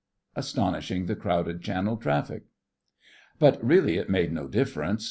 ASTONISHING THE CROWDED CHANNEL TRAFFIC But really it made no difference.